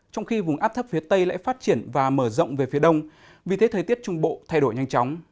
trong khi vùng áp thấp phía tây lại phát triển và mở rộng về phía đông vì thế thời tiết trung bộ thay đổi nhanh chóng